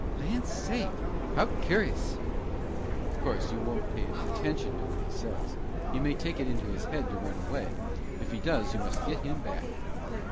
"Land's sake! How cur'us!" "Of course; you won't pay any attention to what he says. He may take it into his head to run away. If he does, you must get him back."